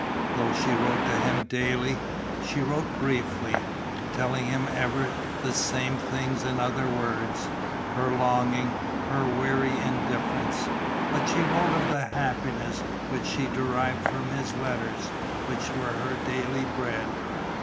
Though she wrote to him daily, she wrote briefly, telling him ever the same things in other words: her longing, her weary indifference. But she wrote of the happiness which she derived from his letters, which were her daily bread.